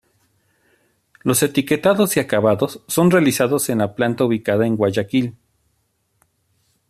Los etiquetados y acabados son realizados en la planta ubicada en Guayaquil.